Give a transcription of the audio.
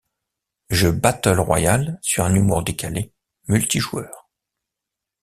Jeu battle royale sur un humour décalé, multijoueur.